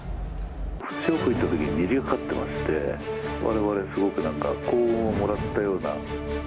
潮を吹いたときに虹がかかってまして、われわれすごく、なんか幸運をもらったような。